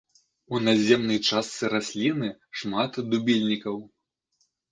У наземнай частцы расліны шмат дубільнікаў.